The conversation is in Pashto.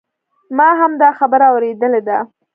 ما هم دا خبره اوریدلې ده